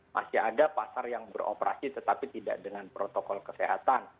masih ada pasar yang beroperasi tetapi tidak dengan protokol kesehatan